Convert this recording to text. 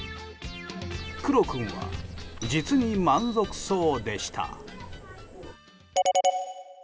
クロ君は実に満足そうでした。